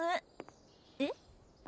えっ？